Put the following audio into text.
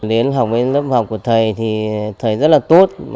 đến học với lớp học của thầy thì thầy rất là tốt